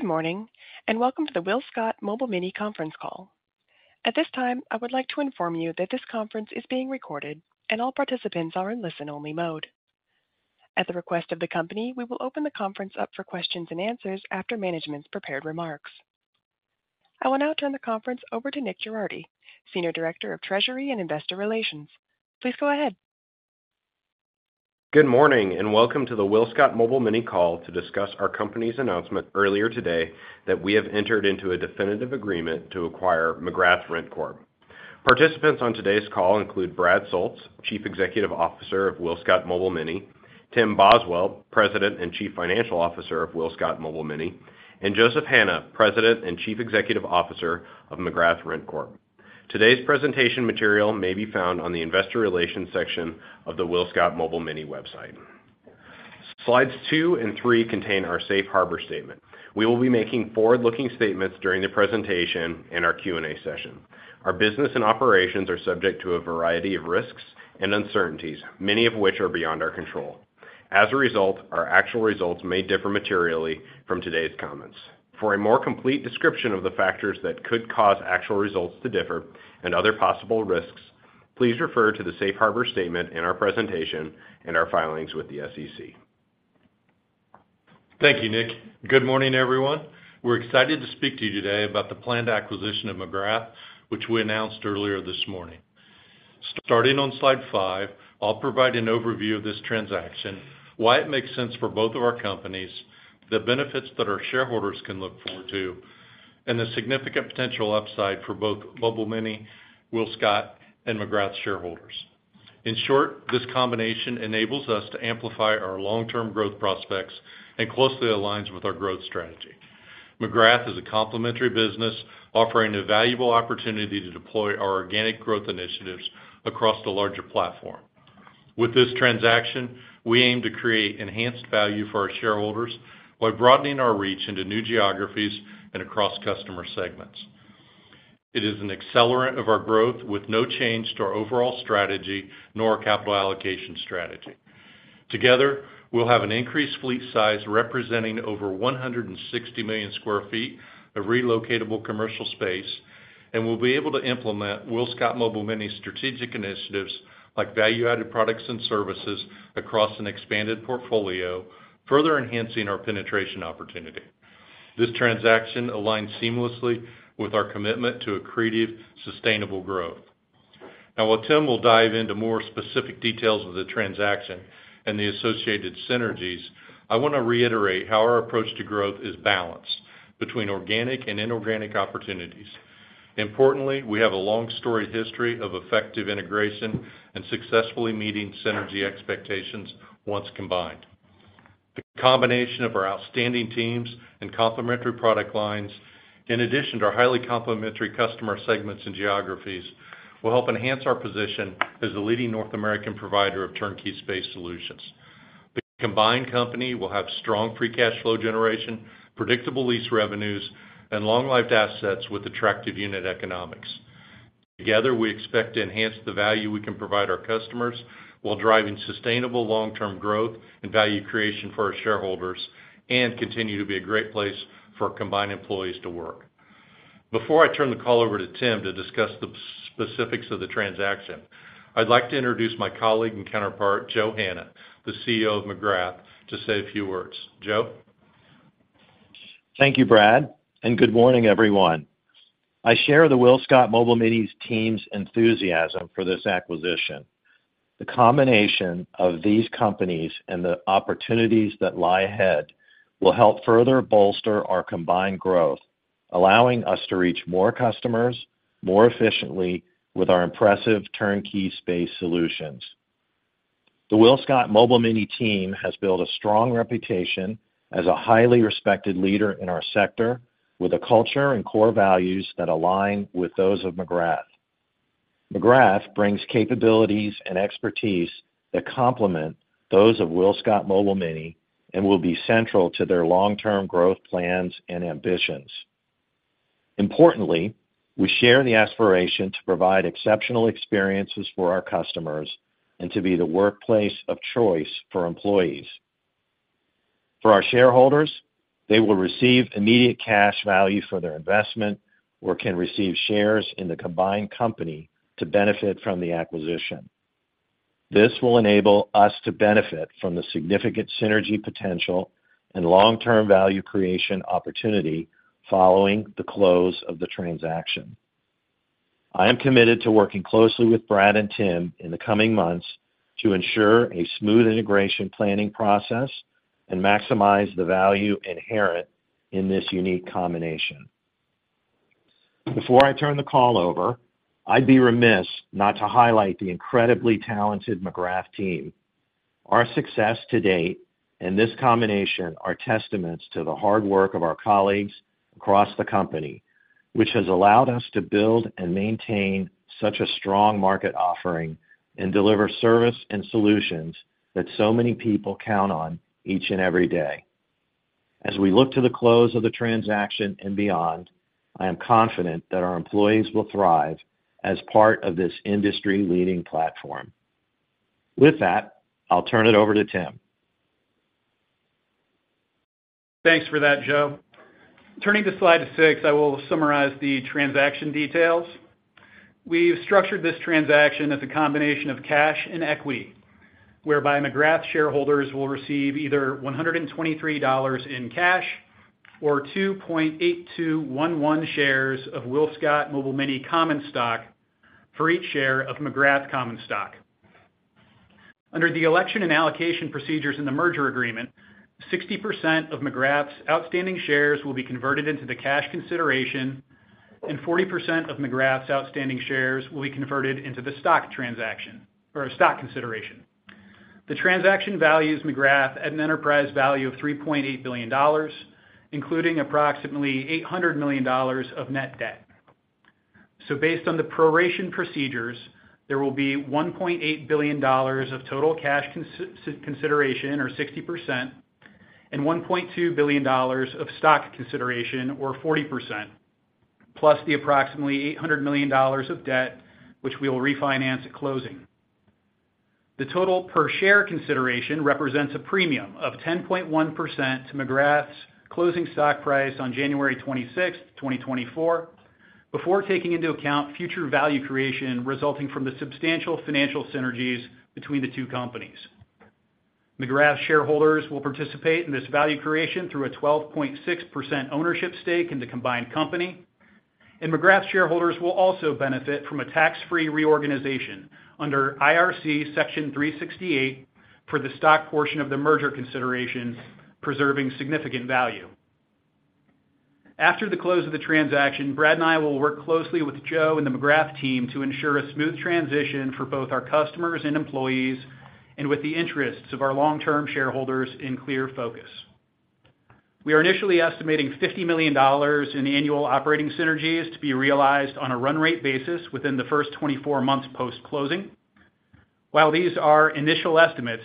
Good morning, and welcome to the WillScot Mobile Mini conference call. At this time, I would like to inform you that this conference is being recorded, and all participants are in listen-only mode. At the request of the company, we will open the conference up for questions and answers after management's prepared remarks. I will now turn the conference over to Nick Girardi, Senior Director of Treasury and Investor Relations. Please go ahead. Good morning, and welcome to the WillScot Mobile Mini call to discuss our company's announcement earlier today that we have entered into a definitive agreement to acquire McGrath RentCorp. Participants on today's call include Brad Soultz, Chief Executive Officer of WillScot Mobile Mini; Tim Boswell, President and Chief Financial Officer of WillScot Mobile Mini; and Joseph Hanna, President and Chief Executive Officer of McGrath RentCorp. Today's presentation material may be found on the Investor Relations section of the WillScot Mobile Mini website. Slides two and three contain our safe harbor statement. We will be making forward-looking statements during the presentation and our Q&A session. Our business and operations are subject to a variety of risks and uncertainties, many of which are beyond our control. As a result, our actual results may differ materially from today's comments. For a more complete description of the factors that could cause actual results to differ and other possible risks, please refer to the safe harbor statement in our presentation and our filings with the SEC. Thank you, Nick. Good morning, everyone. We're excited to speak to you today about the planned acquisition of McGrath, which we announced earlier this morning. Starting on slide five, I'll provide an overview of this transaction, why it makes sense for both of our companies, the benefits that our shareholders can look forward to, and the significant potential upside for both Mobile Mini, WillScot, and McGrath shareholders. In short, this combination enables us to amplify our long-term growth prospects and closely aligns with our growth strategy. McGrath is a complementary business, offering a valuable opportunity to deploy our organic growth initiatives across the larger platform. With this transaction, we aim to create enhanced value for our shareholders while broadening our reach into new geographies and across customer segments. It is an accelerant of our growth, with no change to our overall strategy, nor capital allocation strategy. Together, we'll have an increased fleet size, representing over 160 million sq ft of relocatable commercial space, and we'll be able to implement WillScot Mobile Mini strategic initiatives, like value-added products and services, across an expanded portfolio, further enhancing our penetration opportunity. This transaction aligns seamlessly with our commitment to accretive, sustainable growth. Now, while Tim will dive into more specific details of the transaction and the associated synergies, I want to reiterate how our approach to growth is balanced between organic and inorganic opportunities. Importantly, we have a long-standing history of effective integration and successfully meeting synergy expectations once combined. The combination of our outstanding teams and complementary product lines, in addition to our highly complementary customer segments and geographies, will help enhance our position as the leading North American provider of turnkey space solutions. The combined company will have strong free cash flow generation, predictable lease revenues, and long-lived assets with attractive unit economics. Together, we expect to enhance the value we can provide our customers while driving sustainable long-term growth and value creation for our shareholders and continue to be a great place for combined employees to work. Before I turn the call over to Tim to discuss the specifics of the transaction, I'd like to introduce my colleague and counterpart, Joe Hanna, the CEO of McGrath, to say a few words. Joe? Thank you, Brad, and good morning, everyone. I share the WillScot Mobile Mini's team's enthusiasm for this acquisition. The combination of these companies and the opportunities that lie ahead will help further bolster our combined growth, allowing us to reach more customers, more efficiently with our impressive turnkey space solutions. The WillScot Mobile Mini team has built a strong reputation as a highly respected leader in our sector, with a culture and core values that align with those of McGrath. McGrath brings capabilities and expertise that complement those of WillScot Mobile Mini and will be central to their long-term growth plans and ambitions. Importantly, we share the aspiration to provide exceptional experiences for our customers and to be the workplace of choice for employees. For our shareholders, they will receive immediate cash value for their investment or can receive shares in the combined company to benefit from the acquisition. This will enable us to benefit from the significant synergy potential and long-term value creation opportunity following the close of the transaction. I am committed to working closely with Brad and Tim in the coming months to ensure a smooth integration planning process and maximize the value inherent in this unique combination. Before I turn the call over, I'd be remiss not to highlight the incredibly talented McGrath team. Our success to date and this combination are testaments to the hard work of our colleagues across the company, which has allowed us to build and maintain such a strong market offering and deliver service and solutions that so many people count on each and every day. As we look to the close of the transaction and beyond, I am confident that our employees will thrive as part of this industry-leading platform. With that, I'll turn it over to Tim. Thanks for that, Joe. Turning to slide 6, I will summarize the transaction details. We've structured this transaction as a combination of cash and equity, whereby McGrath shareholders will receive either $123 in cash or 2.8211 shares of WillScot Mobile Mini common stock for each share of McGrath common stock. Under the election and allocation procedures in the merger agreement, 60% of McGrath's outstanding shares will be converted into the cash consideration, and 40% of McGrath's outstanding shares will be converted into the stock transaction or stock consideration. The transaction values McGrath at an enterprise value of $3.8 billion, including approximately $800 million of net debt. So based on the proration procedures, there will be $1.8 billion of total cash consideration, or 60%, and $1.2 billion of stock consideration, or 40%, plus the approximately $800 million of debt, which we will refinance at closing. The total per share consideration represents a premium of 10.1% to McGrath's closing stock price on January 26, 2024, before taking into account future value creation resulting from the substantial financial synergies between the two companies. McGrath shareholders will participate in this value creation through a 12.6% ownership stake in the combined company, and McGrath shareholders will also benefit from a tax-free reorganization under IRC Section 368 for the stock portion of the merger consideration, preserving significant value. After the close of the transaction, Brad and I will work closely with Joe and the McGrath team to ensure a smooth transition for both our customers and employees, and with the interests of our long-term shareholders in clear focus. We are initially estimating $50 million in annual operating synergies to be realized on a run rate basis within the first 24 months post-closing. While these are initial estimates,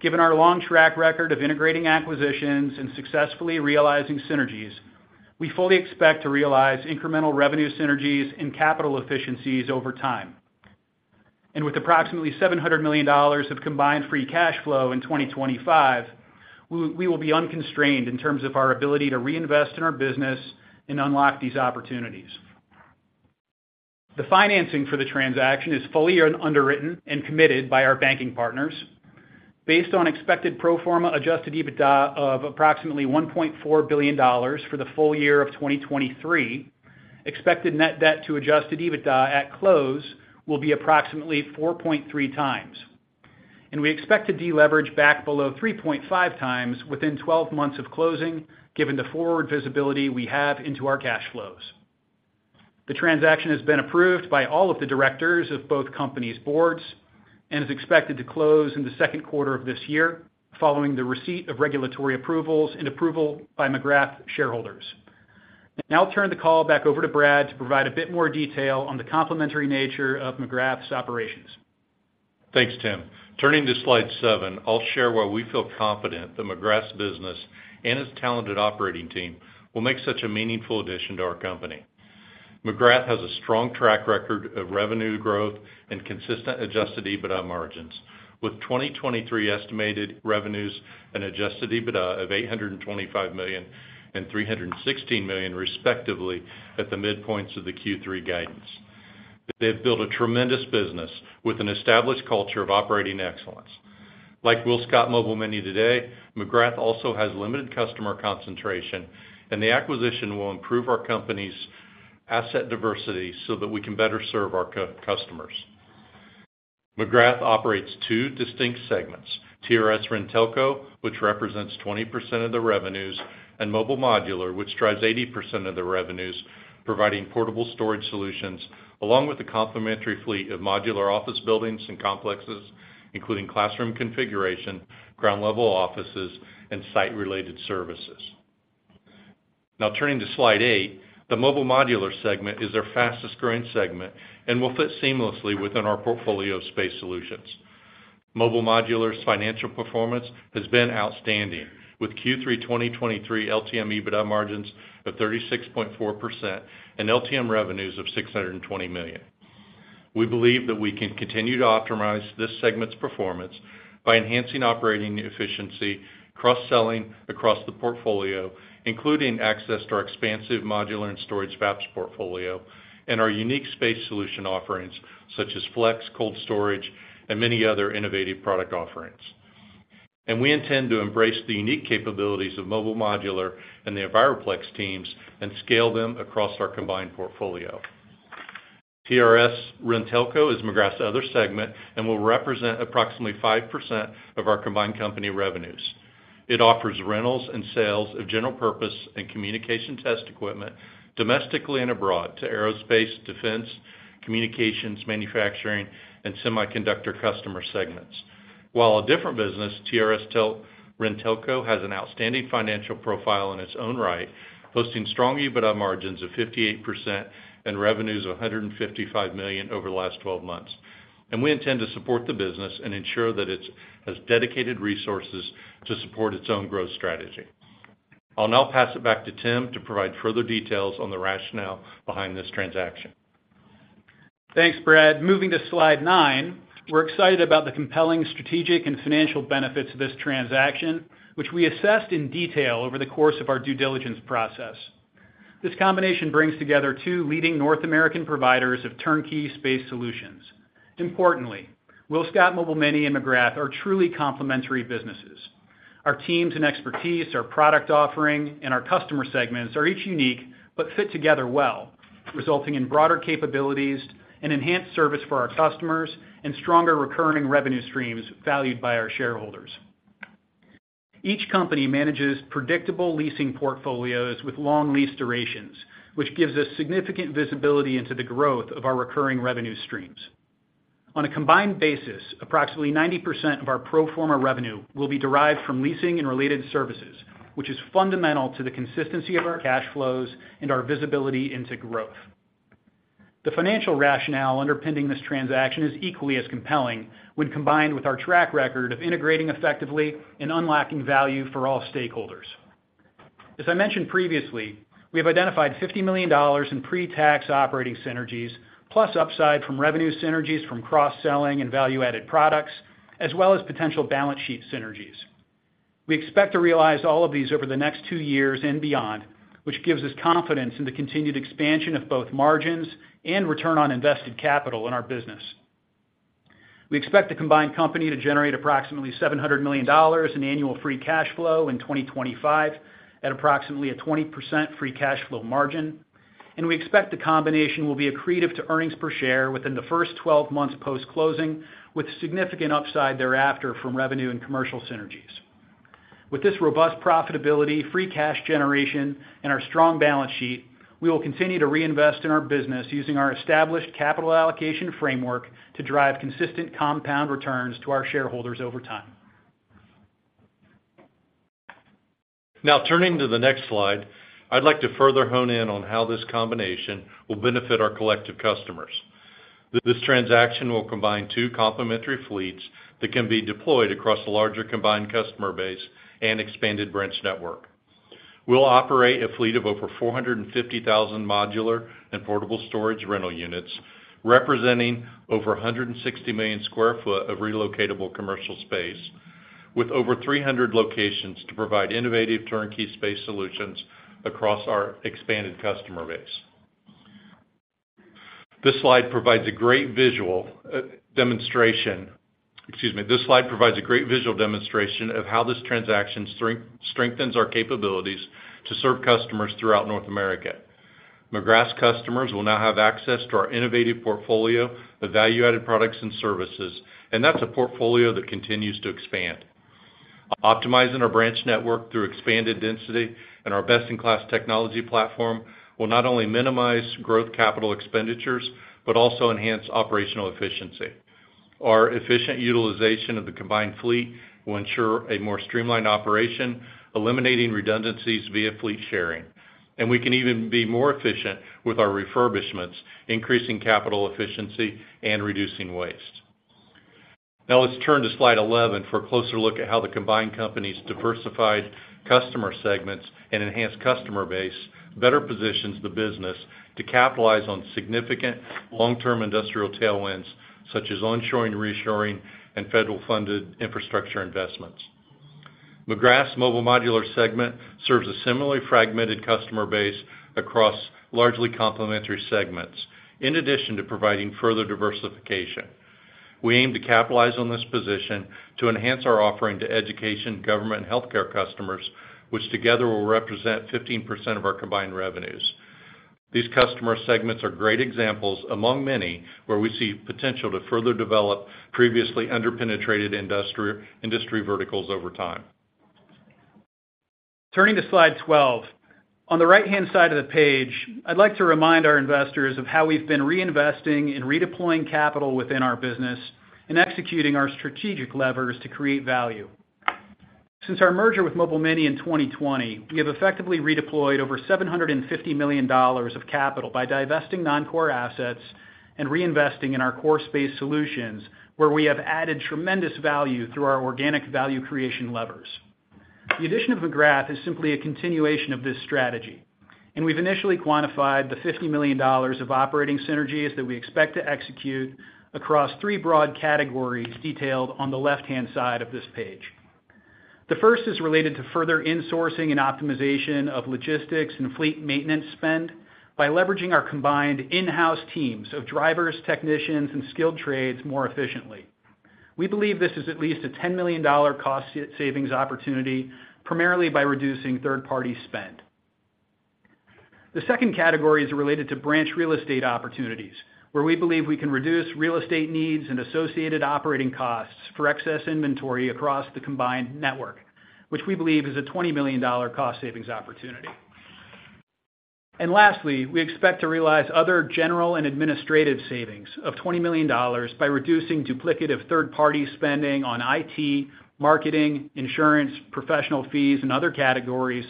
given our long track record of integrating acquisitions and successfully realizing synergies, we fully expect to realize incremental revenue synergies and capital efficiencies over time. With approximately $700 million of combined free cash flow in 2025, we will be unconstrained in terms of our ability to reinvest in our business and unlock these opportunities. The financing for the transaction is fully underwritten and committed by our banking partners. Based on expected pro forma Adjusted EBITDA of approximately $1.4 billion for the full year of 2023, expected net debt to Adjusted EBITDA at close will be approximately 4.3 times, and we expect to deleverage back below 3.5 times within 12 months of closing, given the forward visibility we have into our cash flows. The transaction has been approved by all of the directors of both companies' boards and is expected to close in the second quarter of this year, following the receipt of regulatory approvals and approval by McGrath shareholders. Now I'll turn the call back over to Brad to provide a bit more detail on the complementary nature of McGrath's operations. Thanks, Tim. Turning to slide seven, I'll share why we feel confident that McGrath's business and its talented operating team will make such a meaningful addition to our company. McGrath has a strong track record of revenue growth and consistent Adjusted EBITDA margins, with 2023 estimated revenues and Adjusted EBITDA of $825 million and $316 million, respectively, at the midpoints of the third quarter guidance. They've built a tremendous business with an established culture of operating excellence. Like WillScot Mobile Mini today, McGrath also has limited customer concentration, and the acquisition will improve our company's asset diversity so that we can better serve our customers. McGrath operates two distinct segments: TRS-RenTelco, which represents 20% of the revenues, and Mobile Modular, which drives 80% of the revenues, providing portable storage solutions, along with a complementary fleet of modular office buildings and complexes, including classroom configuration, ground-level offices, and site-related services. Now, turning to slide 8, the Mobile Modular segment is their fastest-growing segment and will fit seamlessly within our portfolio of space solutions. Mobile Modular's financial performance has been outstanding, with third quarter 2023 LTM EBITDA margins of 36.4% and LTM revenues of $620 million. We believe that we can continue to optimize this segment's performance by enhancing operating efficiency, cross-selling across the portfolio, including access to our expansive modular and storage facilities portfolio and our unique space solution offerings, such as FLEX, Cold Storage, and many other innovative product offerings. We intend to embrace the unique capabilities of Mobile Modular and the Enviroplex teams and scale them across our combined portfolio. TRS-RenTelco is McGrath's other segment and will represent approximately 5% of our combined company revenues. It offers rentals and sales of general purpose and communication test equipment domestically and abroad to aerospace, defense, communications, manufacturing, and semiconductor customer segments. While a different business, TRS-RenTelco has an outstanding financial profile in its own right, posting strong EBITDA margins of 58% and revenues of $155 million over the last twelve months. We intend to support the business and ensure that it has dedicated resources to support its own growth strategy. I'll now pass it back to Tim to provide further details on the rationale behind this transaction. Thanks, Brad. Moving to slide 9, we're excited about the compelling strategic and financial benefits of this transaction, which we assessed in detail over the course of our due diligence process. This combination brings together two leading North American providers of turnkey space solutions. Importantly, WillScot Mobile Mini and McGrath are truly complementary businesses. Our teams and expertise, our product offering, and our customer segments are each unique, but fit together well, resulting in broader capabilities and enhanced service for our customers, and stronger recurring revenue streams valued by our shareholders. Each company manages predictable leasing portfolios with long lease durations, which gives us significant visibility into the growth of our recurring revenue streams. On a combined basis, approximately 90% of our pro forma revenue will be derived from leasing and related services, which is fundamental to the consistency of our cash flows and our visibility into growth. The financial rationale underpinning this transaction is equally as compelling when combined with our track record of integrating effectively and unlocking value for all stakeholders. As I mentioned previously, we have identified $50 million in pre-tax operating synergies, plus upside from revenue synergies from cross-selling and value-added products, as well as potential balance sheet synergies. We expect to realize all of these over the next two years and beyond, which gives us confidence in the continued expansion of both margins and return on invested capital in our business. We expect the combined company to generate approximately $700 million in annual free cash flow in 2025 at approximately a 20% free cash flow margin. We expect the combination will be accretive to earnings per share within the first 12 months post-closing, with significant upside thereafter from revenue and commercial synergies. With this robust profitability, free cash generation, and our strong balance sheet, we will continue to reinvest in our business using our established capital allocation framework to drive consistent compound returns to our shareholders over time. Now, turning to the next slide, I'd like to further hone in on how this combination will benefit our collective customers. This transaction will combine two complementary fleets that can be deployed across a larger combined customer base and expanded branch network. We'll operate a fleet of over 450,000 modular and portable storage rental units, representing over 160 million sq ft of relocatable commercial space, with over 300 locations to provide innovative turnkey space solutions across our expanded customer base. This slide provides a great visual demonstration of how this transaction strengthens our capabilities to serve customers throughout North America. McGrath's customers will now have access to our innovative portfolio of value-added products and services, and that's a portfolio that continues to expand. Optimizing our branch network through expanded density and our best-in-class technology platform will not only minimize growth capital expenditures, but also enhance operational efficiency. Our efficient utilization of the combined fleet will ensure a more streamlined operation, eliminating redundancies via fleet sharing. We can even be more efficient with our refurbishments, increasing capital efficiency and reducing waste. Now, let's turn to slide 11 for a closer look at how the combined company's diversified customer segments and enhanced customer base better positions the business to capitalize on significant long-term industrial tailwinds, such as onshoring, reshoring, and federal-funded infrastructure investments. McGrath's Mobile Modular segment serves a similarly fragmented customer base across largely complementary segments, in addition to providing further diversification. We aim to capitalize on this position to enhance our offering to education, government, and healthcare customers, which together will represent 15% of our combined revenues. These customer segments are great examples among many, where we see potential to further develop previously under-penetrated industry verticals over time. Turning to slide 12. On the right-hand side of the page, I'd like to remind our investors of how we've been reinvesting and redeploying capital within our business and executing our strategic levers to create value. Since our merger with Mobile Mini in 2020, we have effectively redeployed over $750 million of capital by divesting non-core assets and reinvesting in our core space solutions, where we have added tremendous value through our organic value creation levers. The addition of McGrath is simply a continuation of this strategy, and we've initially quantified the $50 million of operating synergies that we expect to execute across three broad categories, detailed on the left-hand side of this page. The first is related to further insourcing and optimization of logistics and fleet maintenance spend by leveraging our combined in-house teams of drivers, technicians, and skilled trades more efficiently. We believe this is at least a $10 million cost savings opportunity, primarily by reducing third-party spend. The second category is related to branch real estate opportunities, where we believe we can reduce real estate needs and associated operating costs for excess inventory across the combined network, which we believe is a $20 million cost savings opportunity. Lastly, we expect to realize other general and administrative savings of $20 million by reducing duplicative third-party spending on IT, marketing, insurance, professional fees, and other categories,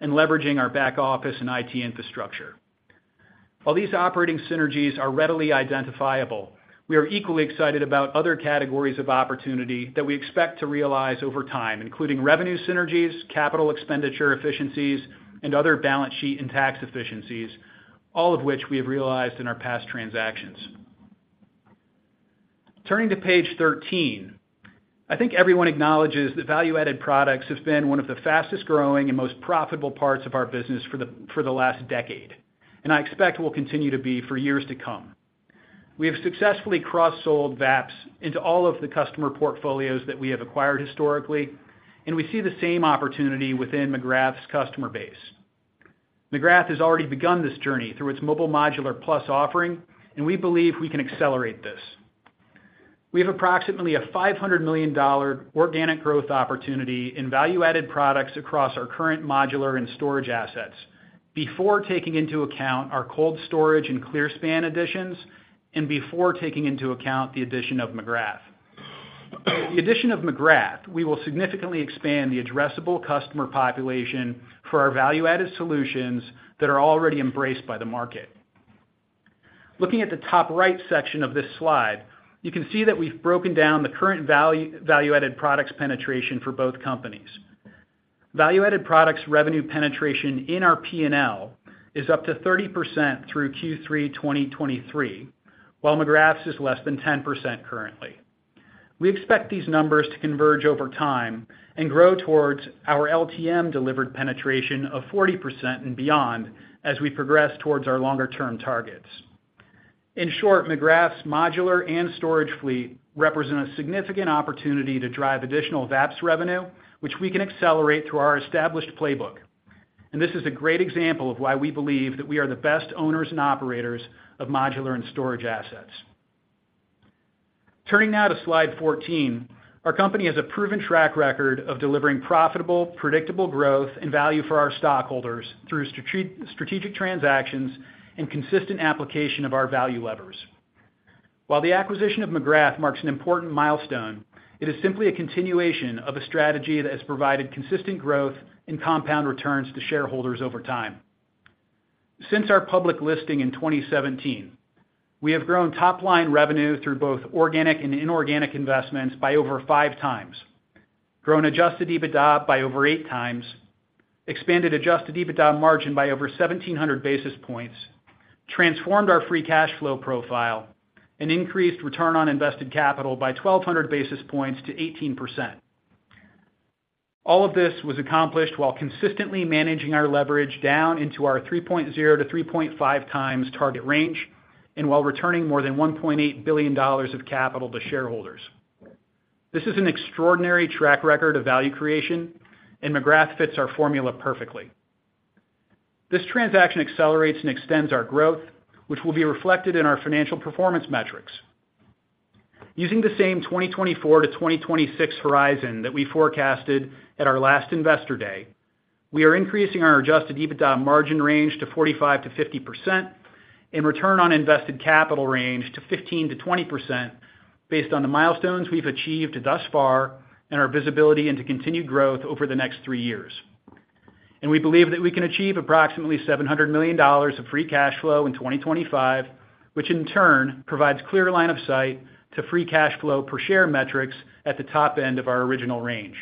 and leveraging our back office and IT infrastructure. While these operating synergies are readily identifiable, we are equally excited about other categories of opportunity that we expect to realize over time, including revenue synergies, capital expenditure efficiencies, and other balance sheet and tax efficiencies, all of which we have realized in our past transactions. Turning to page 13, I think everyone acknowledges that value-added products have been one of the fastest growing and most profitable parts of our business for the last decade, and I expect will continue to be for years to come. We have successfully cross-sold VAPS into all of the customer portfolios that we have acquired historically, and we see the same opportunity within McGrath's customer base. McGrath has already begun this journey through its Mobile Modular Plus offering, and we believe we can accelerate this. We have approximately a $500 million organic growth opportunity in value-added products across our current modular and storage assets before taking into account our cold storage and Clearspan additions, and before taking into account the addition of McGrath. The addition of McGrath, we will significantly expand the addressable customer population for our value-added solutions that are already embraced by the market. Looking at the top right section of this slide, you can see that we've broken down the current value, value-added products penetration for both companies. Value-Added Products revenue penetration in our P&L is up to 30% through third quarter 2023, while McGrath's is less than 10% currently. We expect these numbers to converge over time and grow towards our LTM delivered penetration of 40% and beyond as we progress towards our longer-term targets. In short, McGrath's modular and storage fleet represent a significant opportunity to drive additional VAPS revenue, which we can accelerate through our established playbook. This is a great example of why we believe that we are the best owners and operators of modular and storage assets. Turning now to Slide 14, our company has a proven track record of delivering profitable, predictable growth and value for our stockholders through strategic transactions and consistent application of our value levers. While the acquisition of McGrath marks an important milestone, it is simply a continuation of a strategy that has provided consistent growth and compound returns to shareholders over time. Since our public listing in 2017, we have grown top-line revenue through both organic and inorganic investments by over five times, grown adjusted EBITDA by over eight times, expanded adjusted EBITDA margin by over 1,700 basis points, transformed our free cash flow profile, and increased return on invested capital by 1,200 basis points to 18%. All of this was accomplished while consistently managing our leverage down into our three to 3.5 time target range, and while returning more than $1.8 billion of capital to shareholders. This is an extraordinary track record of value creation, and McGrath fits our formula perfectly. This transaction accelerates and extends our growth, which will be reflected in our financial performance metrics. Using the same 2024 to 2026 horizon that we forecasted at our last Investor Day, we are increasing our Adjusted EBITDA margin range to 45% to 50% and return on invested capital range to 15% to 20% based on the milestones we've achieved thus far and our visibility into continued growth over the next three years. We believe that we can achieve approximately $700 million of free cash flow in 2025, which in turn provides clear line of sight to free cash flow per share metrics at the top end of our original range.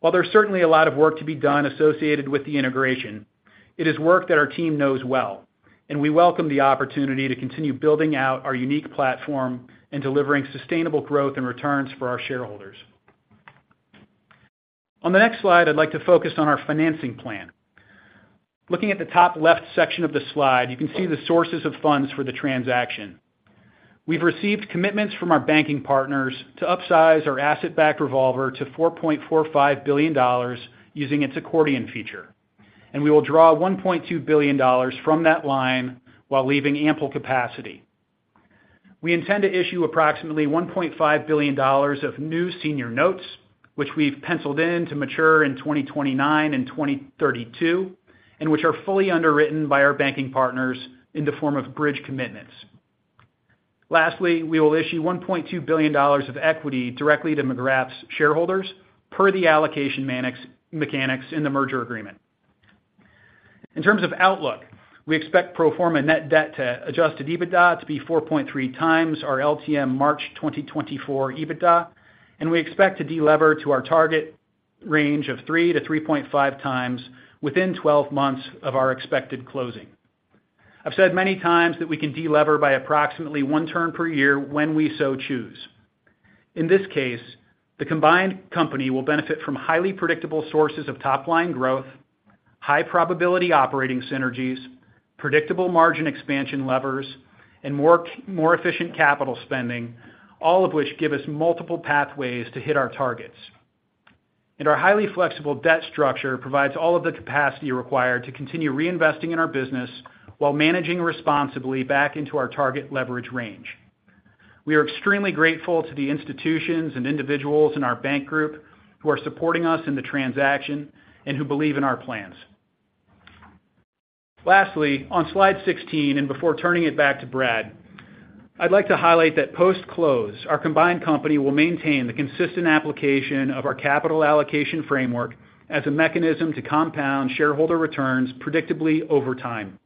While there's certainly a lot of work to be done associated with the integration, it is work that our team knows well, and we welcome the opportunity to continue building out our unique platform and delivering sustainable growth and returns for our shareholders. On the next slide, I'd like to focus on our financing plan. Looking at the top left section of the slide, you can see the sources of funds for the transaction. We've received commitments from our banking partners to upsize our asset-backed revolver to $4.45 billion using its accordion feature, and we will draw $1.2 billion from that line while leaving ample capacity. We intend to issue approximately $1.5 billion of new senior notes, which we've penciled in to mature in 2029 and 2032, and which are fully underwritten by our banking partners in the form of bridge commitments. Lastly, we will issue $1.2 billion of equity directly to McGrath's shareholders per the allocation mechanics in the merger agreement. In terms of outlook, we expect pro forma net debt to Adjusted EBITDA to be 4.3 times our LTM March 2024 EBITDA, and we expect to delever to our target range of three to 3.5 times within 12 months of our expected closing. I've said many times that we can delever by approximately one turn per year when we so choose. In this case, the combined company will benefit from highly predictable sources of top-line growth, high probability operating synergies, predictable margin expansion levers, and more, more efficient capital spending, all of which give us multiple pathways to hit our targets. And our highly flexible debt structure provides all of the capacity required to continue reinvesting in our business while managing responsibly back into our target leverage range. We are extremely grateful to the institutions and individuals in our bank group who are supporting us in the transaction and who believe in our plans. Lastly, on Slide 16, and before turning it back to Brad. I'd like to highlight that post-close, our combined company will maintain the consistent application of our capital allocation framework as a mechanism to compound shareholder returns predictably over time.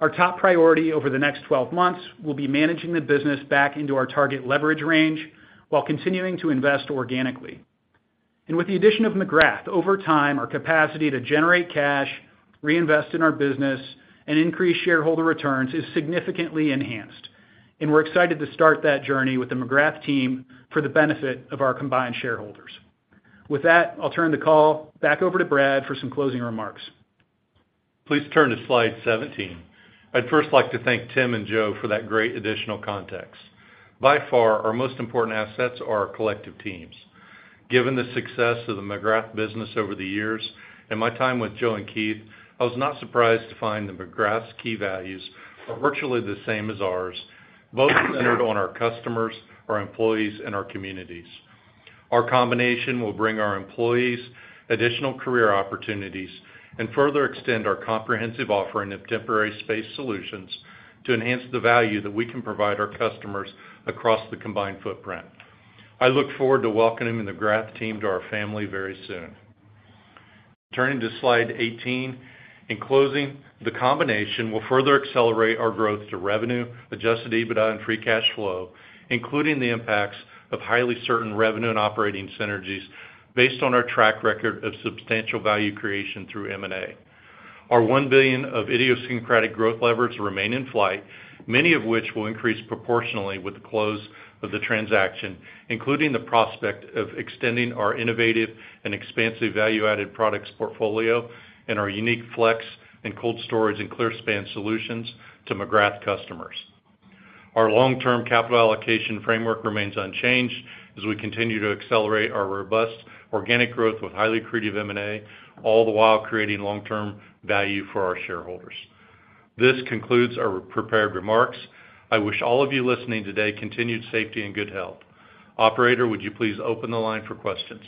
Our top priority over the next 12 months will be managing the business back into our target leverage range while continuing to invest organically. And with the addition of McGrath, over time, our capacity to generate cash, reinvest in our business, and increase shareholder returns is significantly enhanced, and we're excited to start that journey with the McGrath team for the benefit of our combined shareholders. With that, I'll turn the call back over to Brad for some closing remarks. Please turn to slide 17. I'd first like to thank Tim and Joe for that great additional context. By far, our most important assets are our collective teams. Given the success of the McGrath business over the years, and my time with Joe and Keith, I was not surprised to find that McGrath's key values are virtually the same as ours, both centered on our customers, our employees, and our communities. Our combination will bring our employees additional career opportunities and further extend our comprehensive offering of temporary space solutions to enhance the value that we can provide our customers across the combined footprint. I look forward to welcoming the McGrath team to our family very soon. Turning to slide 18. In closing, the combination will further accelerate our growth to revenue, Adjusted EBITDA, and Free Cash Flow, including the impacts of highly certain revenue and operating synergies based on our track record of substantial value creation through M&A. Our $1 billion of idiosyncratic growth levers remain in flight, many of which will increase proportionally with the close of the transaction, including the prospect of extending our innovative and expansive Value-Added Products portfolio and our unique FLEX and Cold Storage and Clearspan solutions to McGrath customers. Our long-term capital allocation framework remains unchanged as we continue to accelerate our robust organic growth with highly accretive M&A, all the while creating long-term value for our shareholders. This concludes our prepared remarks. I wish all of you listening today continued safety and good health. Operator, would you please open the line for questions?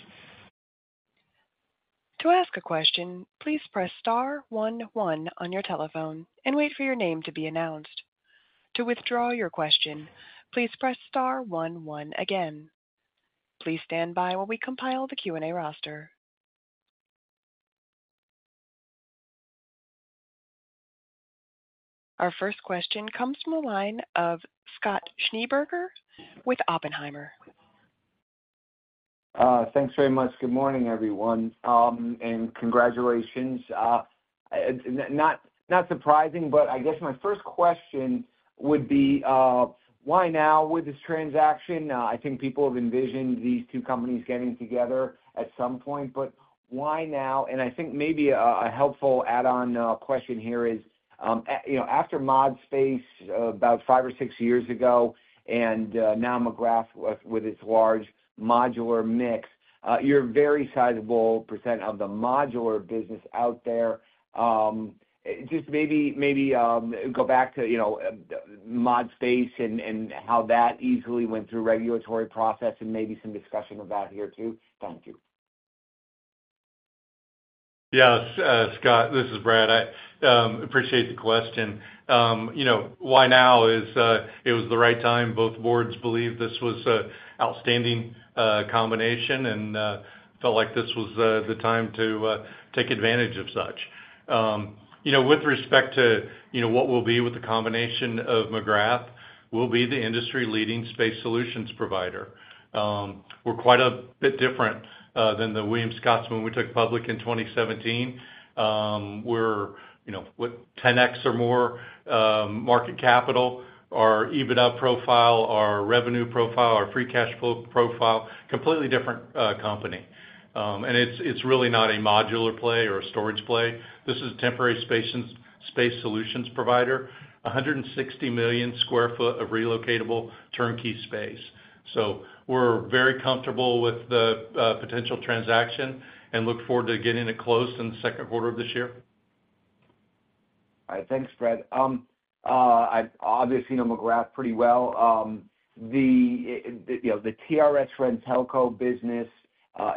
To ask a question, please press star one, one on your telephone and wait for your name to be announced. To withdraw your question, please press star one, one again. Please stand by while we compile the Q&A roster. Our first question comes from the line of Scott Schneeberger with Oppenheimer. Thanks very much. Good morning, everyone, and congratulations. Not surprising, but I guess my first question would be, why now with this transaction? I think people have envisioned these two companies getting together at some point, but why now? And I think maybe a helpful add-on question here is, you know, after ModSpace, about five or six years ago, and now McGrath with its large modular mix, you're a very sizable percent of the modular business out there. Just maybe go back to, you know, ModSpace and how that easily went through regulatory process and maybe some discussion about here, too. Thank you. Yes, Scott, this is Brad. I appreciate the question. You know, why now is it was the right time. Both boards believed this was an outstanding combination and felt like this was the time to take advantage of such. You know, with respect to what we'll be with the combination of McGrath, we'll be the industry-leading space solutions provider. We're quite a bit different than the Williams Scotsman when we took public in 2017. You know, with 10 times or more market capital, our EBITDA profile, our revenue profile, our free cash flow profile, completely different company. And it's really not a modular play or a storage play. This is temporary space and space solutions provider, 160 million sq ft of relocatable turnkey space. We're very comfortable with the potential transaction and look forward to getting it closed in the second quarter of this year. All right. Thanks, Brad. I obviously know McGrath pretty well. You know, the TRS-RenTelco business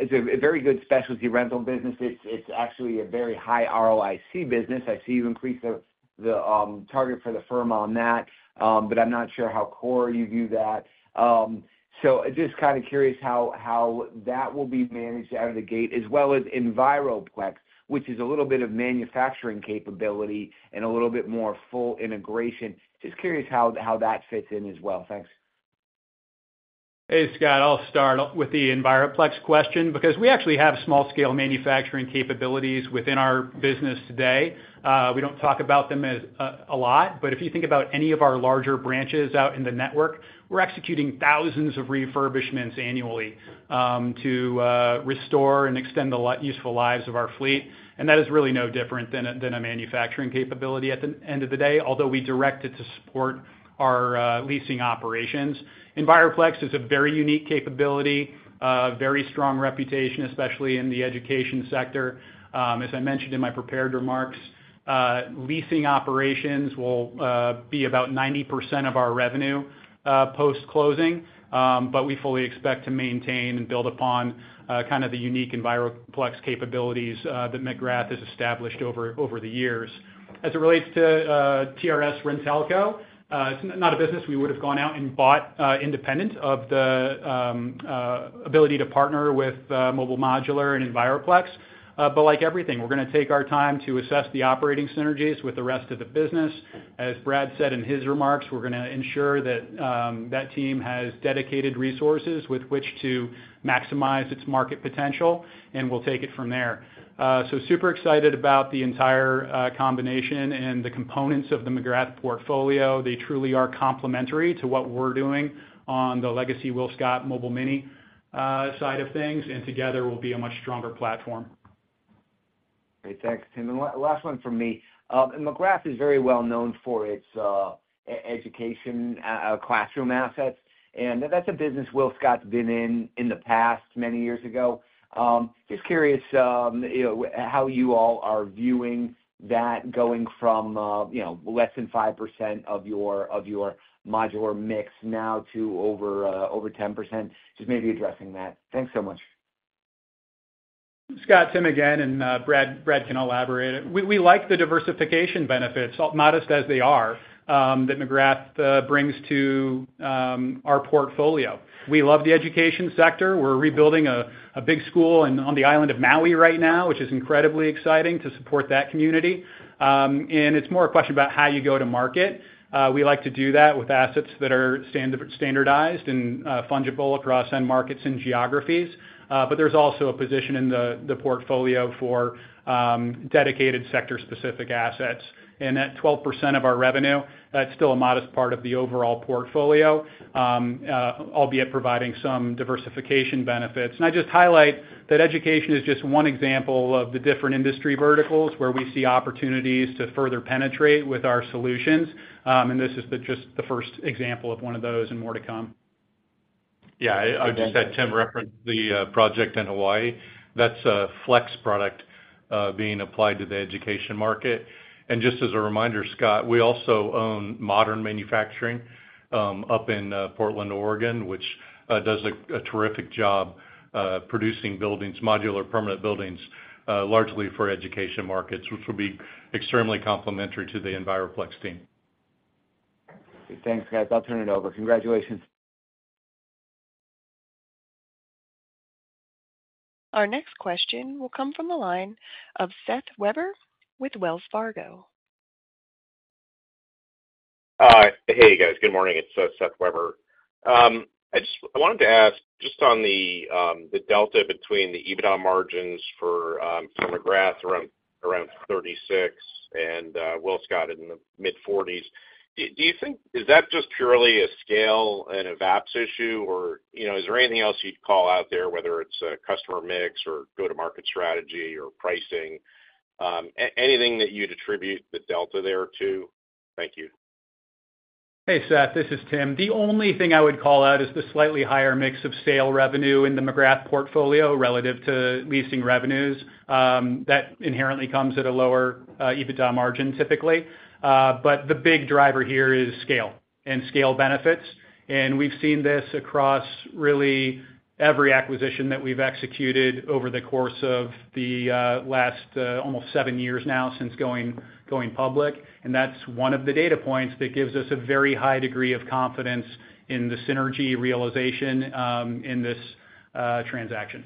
is a very good specialty rental business. It's actually a very high ROIC business. I see you increased the target for the firm on that, but I'm not sure how core you view that. So just kind of curious how that will be managed out of the gate, as well as Enviroplex, which is a little bit of manufacturing capability and a little bit more full integration. Just curious how that fits in as well. Thanks. Hey, Scott. I'll start off with the Enviroplex question, because we actually have small-scale manufacturing capabilities within our business today. We don't talk about them as a lot, but if you think about any of our larger branches out in the network, we're executing thousands of refurbishments annually, to restore and extend the useful lives of our fleet. And that is really no different than a manufacturing capability at the end of the day, although we direct it to support our leasing operations. Enviroplex is a very unique capability, a very strong reputation, especially in the education sector. As I mentioned in my prepared remarks, leasing operations will be about 90% of our revenue, post-closing. But we fully expect to maintain and build upon kind of the unique Enviroplex capabilities that McGrath has established over the years. As it relates to TRS-RenTelco, it's not a business we would have gone out and bought independent of the ability to partner with Mobile Modular and Enviroplex. But like everything, we're gonna take our time to assess the operating synergies with the rest of the business. As Brad said in his remarks, we're gonna ensure that that team has dedicated resources with which to maximize its market potential, and we'll take it from there. So super excited about the entire combination and the components of the McGrath portfolio. They truly are complementary to what we're doing on the legacy WillScot Mobile Mini side of things and together will be a much stronger platform. Hey, thanks, Tim. And last one from me. McGrath is very well known for its, education, classroom assets, and that's a business WillScot's been in the past, many years ago. Just curious, you know, how you all are viewing that going from, you know, less than 5% of your, of your modular mix now to over 10%, just maybe addressing that. Thanks so much. Scott, Tim again, and Brad, Brad can elaborate. We like the diversification benefits, modest as they are, that McGrath brings to our portfolio. We love the education sector. We're rebuilding a big school on the island of Maui right now, which is incredibly exciting to support that community. And it's more a question about how you go to market. We like to do that with assets that are standardized and fungible across end markets and geographies. But there's also a position in the portfolio for dedicated sector-specific assets. And at 12% of our revenue, that's still a modest part of the overall portfolio, albeit providing some diversification benefits. And I just highlight that education is just one example of the different industry verticals where we see opportunities to further penetrate with our solutions. And this is the first example of one of those and more to come. Yeah, I just had Tim reference the project in Hawaii. That's a flex product being applied to the education market. And just as a reminder, Scott, we also own modern manufacturing up in Portland, Oregon, which does a terrific job producing buildings, modular permanent buildings, largely for education markets, which will be extremely complementary to the Enviroplex team. Thanks, guys. I'll turn it over. Congratulations. Our next question will come from the line of Seth Weber with Wells Fargo. Hey, guys. Good morning, it's Seth Weber. I just wanted to ask, just on the, the delta between the EBITDA margins for, for McGrath around 36 and, WillScot in the mid-40s. Do you think... Is that just purely a scale and VAPS issue, or, you know, is there anything else you'd call out there, whether it's a customer mix or go-to-market strategy or pricing? Anything that you'd attribute the delta there to? Thank you. Hey, Seth, this is Tim. The only thing I would call out is the slightly higher mix of sale revenue in the McGrath portfolio, relative to leasing revenues. That inherently comes at a lower EBITDA margin, typically. But the big driver here is scale and scale benefits, and we've seen this across really every acquisition that we've executed over the course of the last almost seven years now since going public. That's one of the data points that gives us a very high degree of confidence in the synergy realization in this transaction.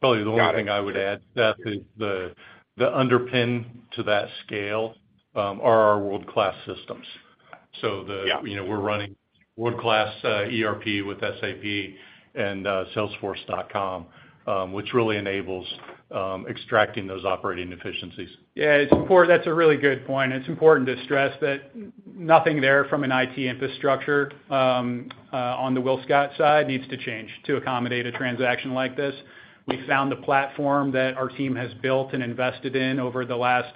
Probably the only thing I would add, Seth, is the underpin to that scale are our world-class systems. Yeah. So, you know, we're running world-class ERP with SAP and salesforce.com, which really enables extracting those operating efficiencies. Yeah, that's a really good point. It's important to stress that nothing there from an IT infrastructure on the WillScot side needs to change to accommodate a transaction like this. We found the platform that our team has built and invested in over the last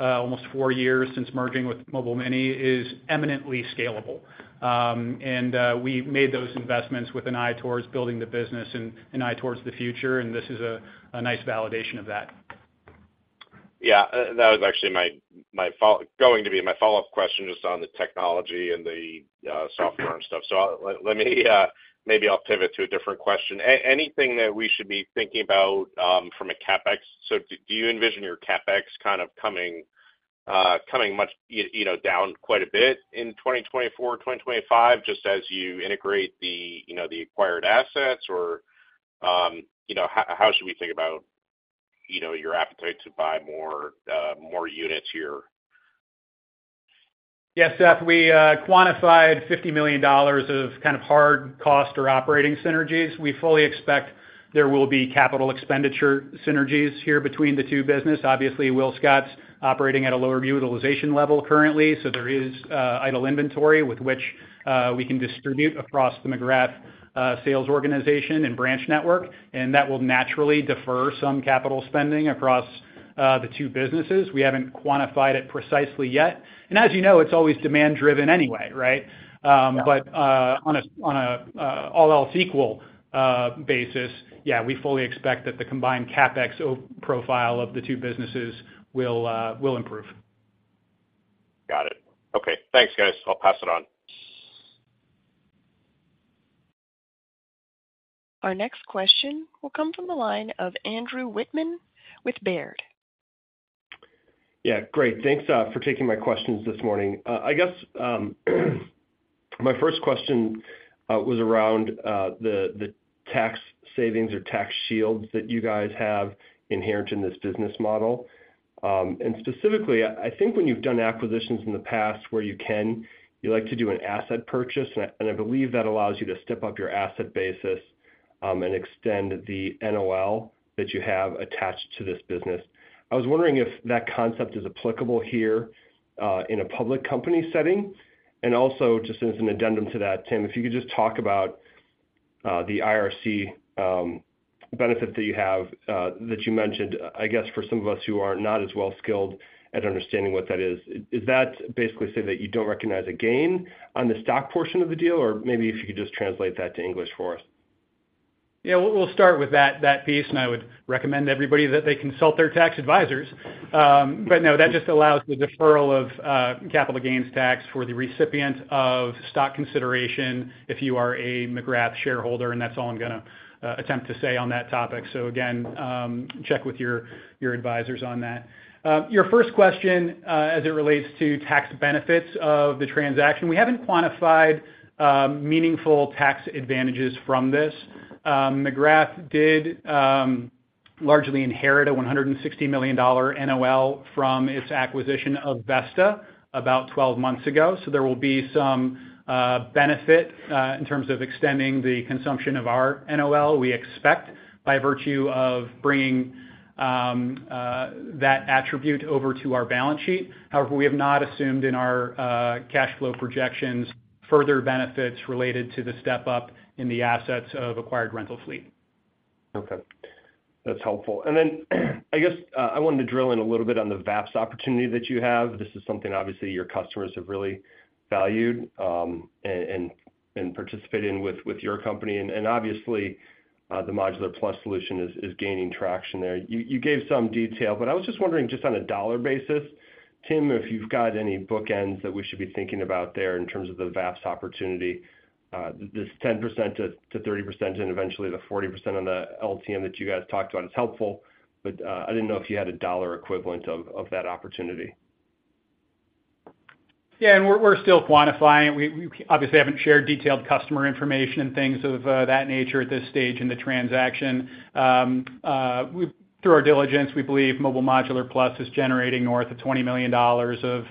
almost four years since merging with Mobile Mini is eminently scalable. And we made those investments with an eye towards building the business and an eye towards the future, and this is a nice validation of that. Yeah, that was actually my follow-up question, just on the technology and the software and stuff. So let me maybe I'll pivot to a different question. Anything that we should be thinking about from a CapEx? So do you envision your CapEx kind of coming much, you know, down quite a bit in 2024, 2025, just as you integrate the, you know, the acquired assets? Or, you know, how should we think about, you know, your appetite to buy more units here? Yeah, Seth, we quantified $50 million of kind of hard cost or operating synergies. We fully expect there will be capital expenditure synergies here between the two business. Obviously, WillScot's operating at a lower utilization level currently, so there is idle inventory with which we can distribute across the McGrath sales organization and branch network, and that will naturally defer some capital spending across the two businesses. We haven't quantified it precisely yet. And as you know, it's always demand driven anyway, right? Yeah. But, on a all else equal basis, yeah, we fully expect that the combined CapEx profile of the two businesses will improve. Got it. Okay, thanks, guys. I'll pass it on. Our next question will come from the line of Andrew Wittmann with Baird. Yeah, great. Thanks for taking my questions this morning. I guess, my first question was around the tax savings or tax shields that you guys have inherent in this business model. And specifically, I think when you've done acquisitions in the past, where you can, you like to do an asset purchase, and I believe that allows you to step up your asset basis and extend the NOL that you have attached to this business. I was wondering if that concept is applicable here in a public company setting. And also, just as an addendum to that, Tim, if you could just talk about the IRC, benefit that you have, that you mentioned, I guess for some of us who are not as well skilled at understanding what that is, does that basically say that you don't recognize a gain on the stock portion of the deal? Or maybe if you could just translate that to English for us. Yeah, we'll start with that piece, and I would recommend to everybody that they consult their tax advisors. But no, that just allows the deferral of capital gains tax for the recipient of stock consideration if you are a McGrath shareholder, and that's all I'm gonna attempt to say on that topic. So again, check with your advisors on that. Your first question, as it relates to tax benefits of the transaction, we haven't quantified meaningful tax advantages from this. McGrath did largely inherit a $160 million NOL from its acquisition of Vesta about twelve months ago, so there will be some benefit in terms of extending the consumption of our NOL, we expect, by virtue of bringing that attribute over to our balance sheet. However, we have not assumed in our cash flow projections, further benefits related to the step-up in the assets of acquired rental fleet. Okay. That's helpful. And then, I guess, I wanted to drill in a little bit on the VAPS opportunity that you have. This is something obviously your customers have really valued, and participating with your company. And obviously, the Modular+ solution is gaining traction there. You gave some detail, but I was just wondering, just on a dollar basis, Tim, if you've got any bookends that we should be thinking about there in terms of the VAPS opportunity, this 10% to 30% and eventually the 40% on the LTM that you guys talked about is helpful, but I didn't know if you had a dollar equivalent of that opportunity. Yeah, and we're still quantifying. We obviously haven't shared detailed customer information and things of that nature at this stage in the transaction. Through our diligence, we believe Mobile Modular+ is generating north of $20 million of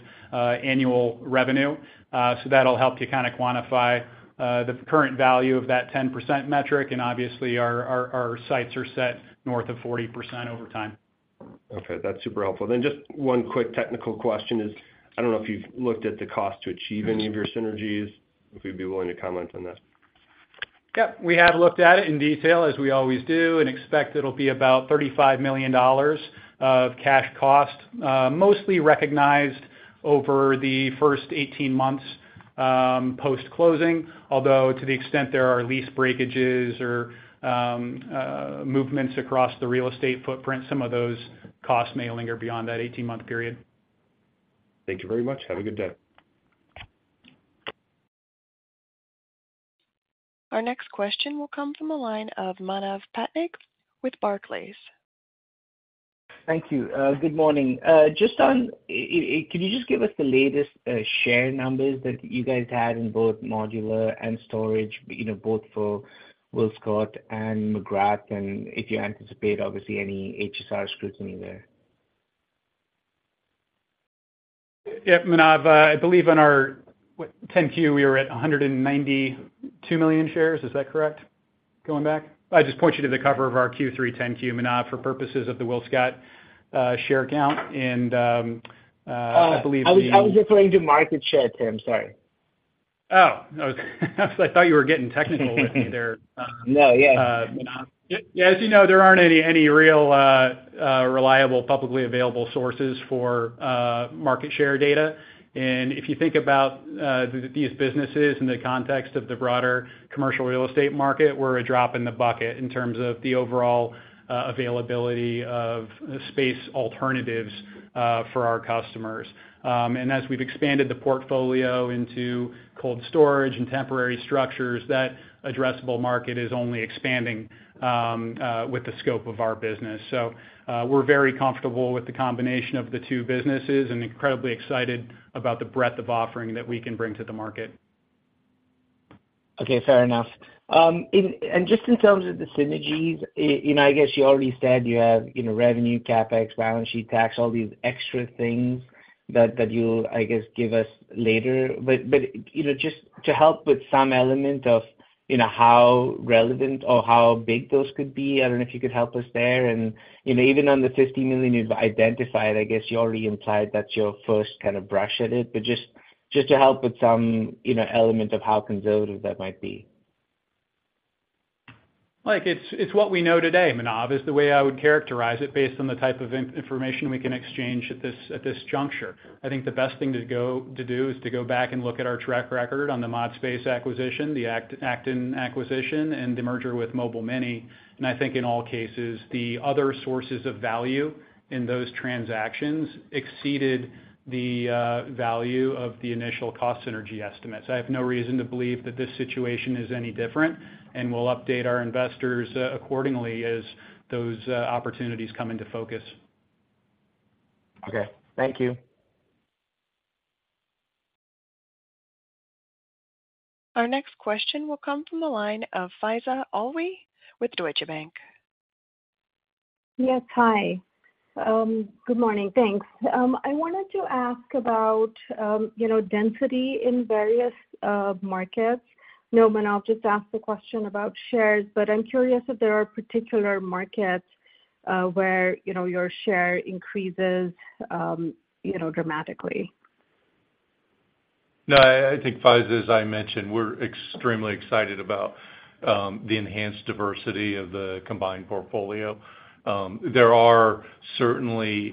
annual revenue. So that'll help to kind of quantify the current value of that 10% metric, and obviously, our sights are set north of 40% over time. Okay, that's super helpful. Then just one quick technical question is, I don't know if you've looked at the cost to achieve any of your synergies, if you'd be willing to comment on that. Yep, we have looked at it in detail, as we always do, and expect it'll be about $35 million of cash cost, mostly recognized over the first 18 months, post-closing. Although, to the extent there are lease breakages or, movements across the real estate footprint, some of those costs may linger beyond that 18-month period. Thank you very much. Have a good day. Our next question will come from the line of Manav Patnaik with Barclays. Thank you. Good morning. Just on, can you just give us the latest share numbers that you guys had in both modular and storage, you know, both for WillScot and McGrath, and if you anticipate, obviously, any HSR scrutiny there? Yep, Manav, I believe on our, what, 10-Q, we were at 192 million shares. Is that correct, going back? I just point you to the cover of our third quarter 10-Q, Manav, for purposes of the WillScot share count. And, I believe the... I was referring to market share, Tim, sorry. Oh, I thought you were getting technical with me there. No, yeah. As you know, there aren't any real reliable publicly available sources for market share data. If you think about these businesses in the context of the broader commercial real estate market, we're a drop in the bucket in terms of the overall availability of space alternatives for our customers. As we've expanded the portfolio into cold storage and temporary structures, that addressable market is only expanding with the scope of our business. We're very comfortable with the combination of the two businesses and incredibly excited about the breadth of offering that we can bring to the market. Okay, fair enough. In and just in terms of the synergies, you know, I guess you already said you have, you know, revenue, CapEx, balance sheet, tax, all these extra things that, that you'll, I guess, give us later. But, but, you know, just to help with some element of, you know, how relevant or how big those could be, I don't know if you could help us there. And, you know, even on the $50 million you've identified, I guess you already implied that's your first kind of brush at it. But just, just to help with some, you know, element of how conservative that might be. Like, it's what we know today, Manav, is the way I would characterize it based on the type of information we can exchange at this juncture. I think the best thing to do is to go back and look at our track record on the ModSpace acquisition, the Acton acquisition, and the merger with Mobile Mini. I think in all cases, the other sources of value in those transactions exceeded the value of the initial cost synergy estimates. I have no reason to believe that this situation is any different, and we'll update our investors accordingly as those opportunities come into focus. Okay, thank you. Our next question will come from the line of Faiza Alwy with Deutsche Bank. Yes, hi. Good morning. Thanks. I wanted to ask about, you know, density in various markets. I know Manav just asked a question about shares, but I'm curious if there are particular markets where, you know, your share increases dramatically? No, I think, Faiza, as I mentioned, we're extremely excited about the enhanced diversity of the combined portfolio. There are certainly